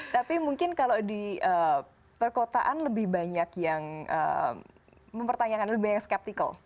tapi mungkin kalau di perkotaan lebih banyak yang mempertanyakan lebih banyak skeptikal